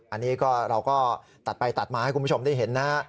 อันนี้ก็เราก็ตัดไปตัดมาให้คุณผู้ชมได้เห็นนะฮะ